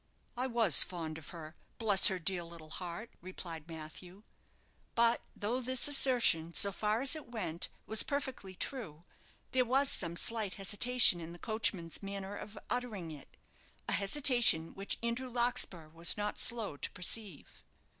"I was fond of her, bless her dear little heart," replied Matthew. But though this assertion, so far as it went, was perfectly true, there was some slight hesitation in the coachman's manner of uttering it a hesitation which Andrew Larkspur was not slow to perceive.